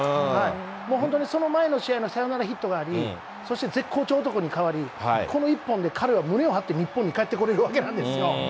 もう本当にその前の試合のサヨナラヒットがあり、そして絶好調男に変わり、この一本で彼は胸を張って日本に帰ってこれるわけなんですよ。